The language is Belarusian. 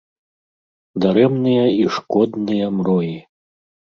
Дарэмныя і шкодныя мроі!